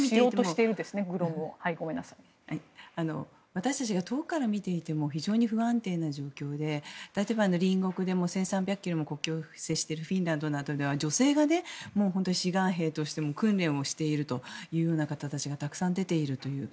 私たちが遠くから見ていても非常に不安定な状況で隣国でも１３００ｋｍの国境を接しているフィンランドで女性が志願兵として訓練をしているような方たちがたくさん出ているという。